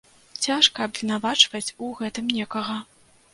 Цяжка абвінавачваць у гэтым некага.